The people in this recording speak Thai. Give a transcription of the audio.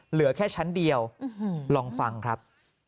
เหลือแค่ชั้นเดียวลองฟังครับ